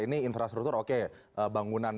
ini infrastruktur oke bangunan